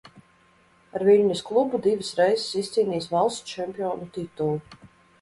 Ar Viļņas klubu divas reizes izcīnījis valsts čempionu titulu.